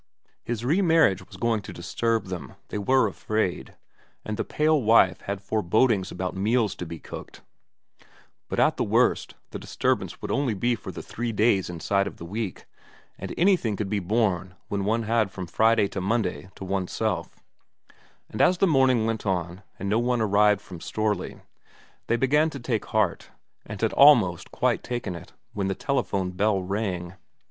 His re marriage was going to disturb them, they were afraid, and the pale wife had forebodings about meals to be cooked ; but at the worst the disturbance would only be for the three inside days of the week, and anything could be borne when one had from Friday to Monday to oneself ; and as the morning went on, and no one arrived from Strorley, they began to take heart, and had almost quite taken it when the telephone bell rang.